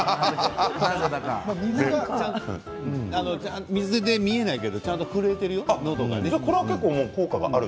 笑い声水で見えないけれどもちゃんと震えているよ、のどがね。